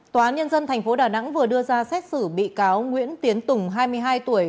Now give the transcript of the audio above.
tòa án nhân dân tp đà nẵng vừa đưa ra xét xử bị cáo nguyễn tiến tùng hai mươi hai tuổi